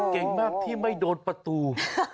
เก่งมากที่ไม่โดนประตู